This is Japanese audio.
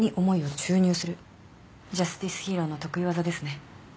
ジャスティスヒーローの得意技ですね。